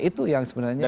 itu yang sebenarnya